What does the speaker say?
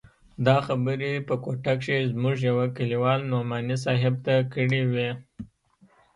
دا خبرې په کوټه کښې زموږ يوه کليوال نعماني صاحب ته کړې وې.